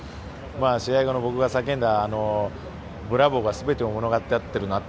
試合後の僕が叫んだブラボーが全てを物語ってるなと。